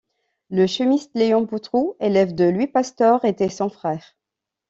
Le chimiste Léon Boutroux, élève de Louis Pasteur, était son frère.